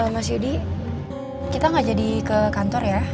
mas yudi kita gak jadi ke kantor ya